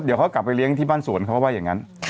เดี๋ยวเขากลับไปเลี้ยงที่บ้านสวนเขาก็ว่าอย่างนั้น